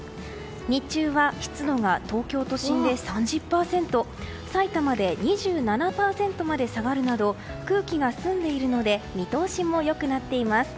日中は湿度が東京都心で３０％さいたまで２７％まで下がるなど空気が澄んでいるので見通しも良くなっています。